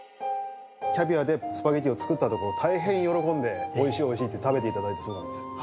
キャビアでスパゲティを作ったところ、大変喜んで、おいしい、おいしいって食べていただいたそうなんです。